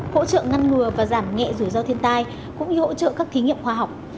hỗ trợ ngăn ngừa và giảm nhẹ rủi ro thiên tai cũng như hỗ trợ các thí nghiệm khoa học